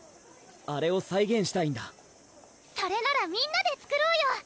あれを再現したいんだそれならみんなで作ろうよ！